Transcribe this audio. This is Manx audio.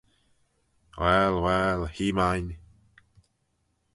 Wahll, wahll, hee main.